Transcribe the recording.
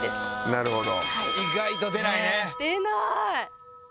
なるほど！